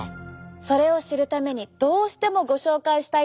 それを知るためにどうしてもご紹介したい人たちがいます。